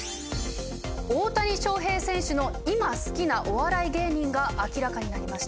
大谷翔平選手の今好きなお笑い芸人が明らかになりました。